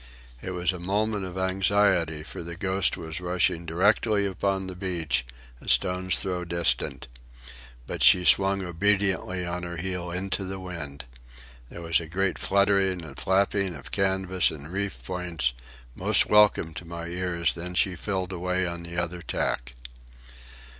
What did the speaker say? It was a moment of anxiety, for the Ghost was rushing directly upon the beach, a stone's throw distant. But she swung obediently on her heel into the wind. There was a great fluttering and flapping of canvas and reef points, most welcome to my ears, then she filled away on the other tack.